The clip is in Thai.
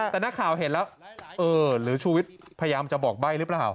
แต่นักข่าวเห็นแล้วเออหรือชูวิทย์พยายามจะบอกใบ้หรือเปล่า